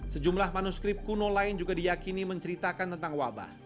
sejumlah manuskrip kuno lain juga diyakini menceritakan tentang wabah